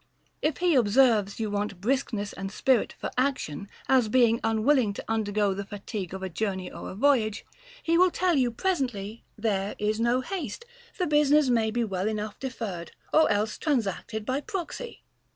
If he observes you want briskness and spirit for action, as being unwilling to undergo the fatigue of a journey or a voyage, he will tell you presently, there is no haste ; the business may be well enough deferred, or else transacted by proxy.